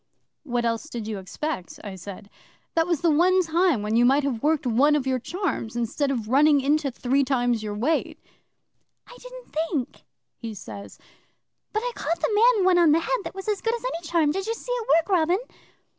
'"What else did you expect?" I said. "That was the one time when you might have worked one of your charms, instead of running into three times your weight." '"I didn't think," he says. "But I caught the man one on the head that was as good as any charm. Did you see it work, Robin?"